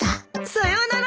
さようなら。